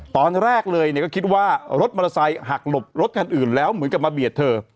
ตอนแรกเลยก็คิดว่ารถมอเตอร์ไซค์หักหลบรถคันอื่นแล้วเหมือนกับมาเบียดเธอ